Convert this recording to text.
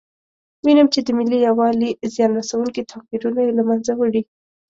وینم چې د ملي یووالي زیان رسونکي توپیرونه یې له منځه وړي.